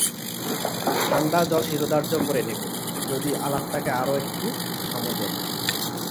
ঠাণ্ডা জল শিরোধার্য করে নেব, যদি আলাপটাকে আরো একটু সময় দেন।